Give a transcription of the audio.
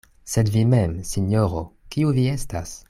Sed vi mem, sinjoro, kiu vi estas?